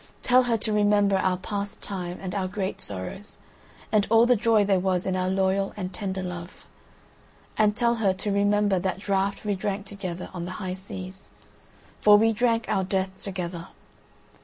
Tell her to remember our past time, and our great sorrows, and all the joy there was in our loyal and tender love. And tell her to remember that draught we drank together on the high seas. For we drank our death together.